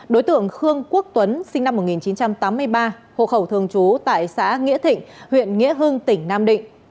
đối tượng khương quốc tuấn sinh năm một nghìn chín trăm tám mươi ba hộ khẩu thường trú tại xã nghĩa thịnh huyện nghĩa hưng tỉnh nam định